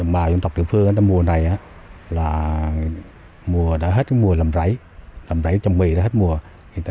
mà dân tộc địa phương năm mùa này là mùa đã hết mùa lầm rẫy lầm rẫy trong mì đã hết mùa